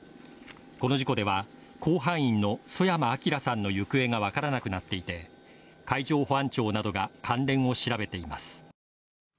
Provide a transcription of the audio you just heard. この事故では、甲板員の曽山聖さんの行方が分からなくなっていて海上保安庁などが関連を調べています。